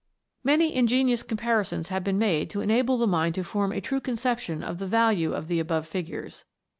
Many ingenious comparisons have been made to enable the mind to form a true conception of the value of the above figures.